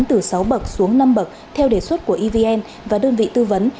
từ sáu bậc xuống năm bậc theo đề xuất của evn và đơn vị tư vấn